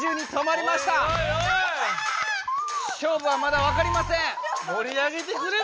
勝負はまだわかりません。